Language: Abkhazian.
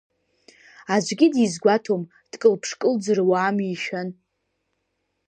Аӡәгьы дизгәаҭом, дкылԥш-кылӡырҩуа, амишәан!